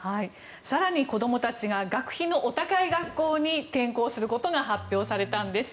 更に、子供たちが学費のお高い学校に転校することが発表されたんです。